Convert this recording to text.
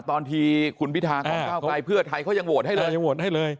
บางทีคุณพิธาของก้าวไกลเพื่อไทยเขายังโหวตให้เลยยังโหวตให้เลย